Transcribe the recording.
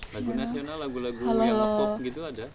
lagu nasional lagu lagu yang ngepop gitu ada